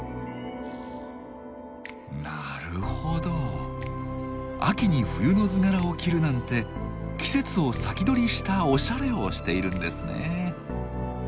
なるほど秋に冬の図柄を着るなんて季節を先取りしたオシャレをしているんですね。